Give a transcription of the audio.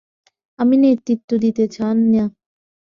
আপনি নেতৃত্ব দিতে চান না?